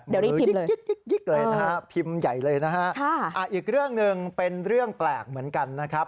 เดี๋ยวนี้เลยนะฮะพิมพ์ใหญ่เลยนะฮะอีกเรื่องหนึ่งเป็นเรื่องแปลกเหมือนกันนะครับ